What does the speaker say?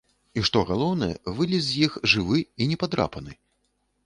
І, што галоўнае, вылез з іх жывы і непадрапаны!